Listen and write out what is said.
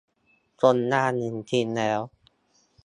ส่งงานหนึ่งชิ้นแล้ว